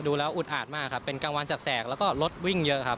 ดูแล้วอุดอาดมากครับเป็นกลางวันแสกแล้วก็รถวิ่งเยอะครับ